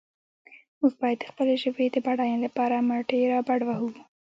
موږ باید د خپلې ژبې د بډاینې لپاره مټې رابډ وهو.